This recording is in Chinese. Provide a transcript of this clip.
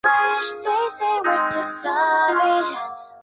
滇西绿绒蒿为罂粟科绿绒蒿属下的一个种。